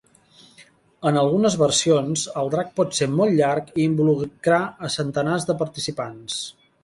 En algunes versions el drac pot ser molt llarg i involucrar a centenars de participants.